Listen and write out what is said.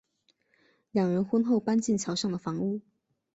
两人婚后搬进桥上的房屋。